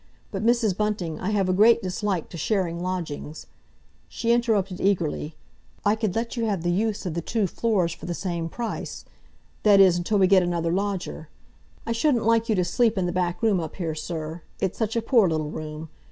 But, Mrs. Bunting, I have a great dislike to sharing lodgings—" She interrupted eagerly, "I could let you have the use of the two floors for the same price—that is, until we get another lodger. I shouldn't like you to sleep in the back room up here, sir. It's such a poor little room.